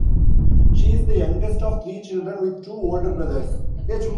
She is the youngest of three children with two older brothers.